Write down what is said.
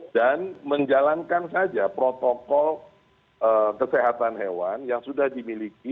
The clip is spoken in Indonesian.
dan menjalankan saja protokol kesehatan hewan yang sudah dimiliki